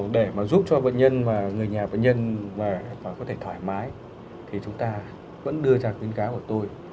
để mà giúp cho bệnh nhân và người nhà bệnh nhân về và có thể thoải mái thì chúng ta vẫn đưa ra khuyến cáo của tôi